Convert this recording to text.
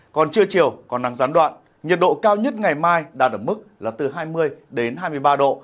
còn trưa chiều còn nắng gián đoạn nhiệt độ cao nhất ngày mai đạt ở mức là từ hai mươi hai mươi ba độ